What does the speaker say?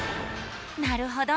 なるほど。